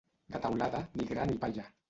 De Teulada, ni gra ni palla.